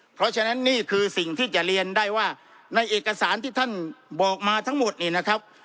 เพราะฉะนั้นนี่คือสิ่งที่จะเรียนได้ว่าในเอกสารที่ท่านบอกมาทั้งหมดนี่นะครับ